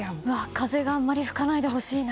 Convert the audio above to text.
風があまり吹かないでほしいな。